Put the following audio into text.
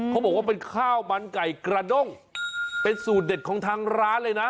เขาบอกว่าเป็นข้าวมันไก่กระด้งเป็นสูตรเด็ดของทางร้านเลยนะ